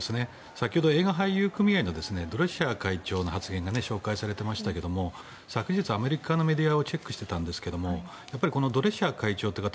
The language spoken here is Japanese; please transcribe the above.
先ほど映画俳優組合のドレッシャー会長の発言が紹介されていましたが昨日、アメリカのメディアをチェックしていたんですがこのドレシャー会長という方